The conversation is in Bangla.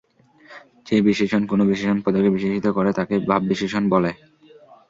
যে বিশেষণ কোন বিশেষণ পদকে বিশেষিত করে তাকে ভাববিশেষণ বলে।